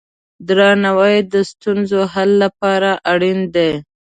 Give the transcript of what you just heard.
درناوی د ستونزو حل لپاره اړین دی.